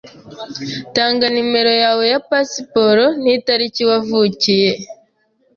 Tanga numero yawe ya pasiporo nitariki wavukiye.